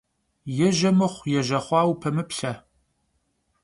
Yêje mıxhu yêje xhua vupemıplhe.